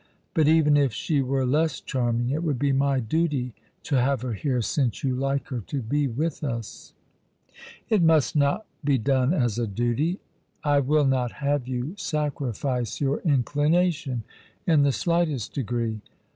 Bat even if she were less charming it would be my duty to have her here since you like her to be with us." " But it must not be done as a duty. I will not have you sacrifice your inclination in the slightest degree."